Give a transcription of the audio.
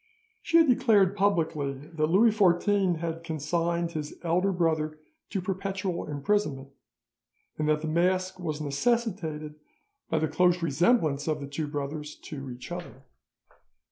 She had declared publicly that Louis XIV had consigned his elder brother to perpetual imprisonment, and that the mask was necessitated by the close resemblance of the two brothers to each other.